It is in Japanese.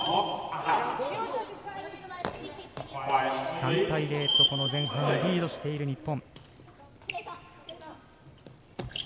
３対０と前半リードしている日本。